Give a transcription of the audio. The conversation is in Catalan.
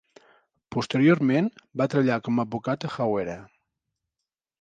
Posteriorment, va treballar com a advocat a Hawera.